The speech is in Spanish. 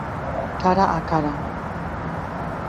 Cara a cara.